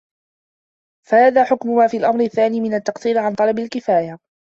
فَهَذَا حُكْمُ مَا فِي الْأَمْرِ الثَّانِي مِنْ التَّقْصِيرِ عَنْ طَلَبِ الْكِفَايَةِ